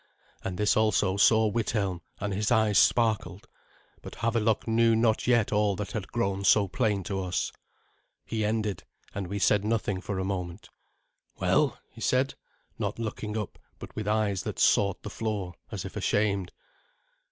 And this also saw Withelm, and his eyes sparkled. But Havelok knew not yet all that had grown so plain to us. He ended, and we said nothing for a moment. "Well?" he said, not looking up, but with eyes that sought the floor, as if ashamed.